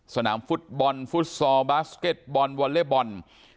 สนามฟุตบอลฟุตซอลบาสเก็ตบอลวอเล็ตบอล